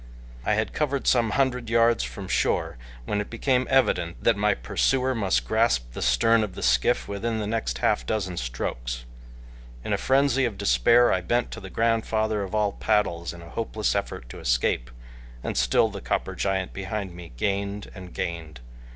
I had covered some hundred yards from shore when it became evident that my pursuer must grasp the stern of the skiff within the next half dozen strokes. In a frenzy of despair, I bent to the grandfather of all paddles in a hopeless effort to escape, and still the copper giant behind me gained and gained.